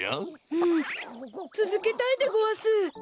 うんつづけたいでごわす！